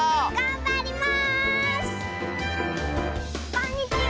こんにちは！